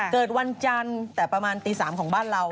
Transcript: เกิดวันจันทร์แต่ประมาณตี๓ของบ้านเรา